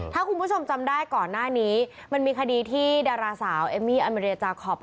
ถ้าคุณผู้ชมจำได้ก่อนหน้านี้มันมีคดีที่ดาราสาวเอมมี่อเมริยจาขอไป